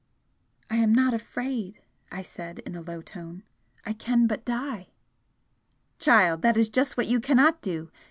"I am not afraid!" I said, in a low tone "I can but die!" "Child, that is just what you cannot do!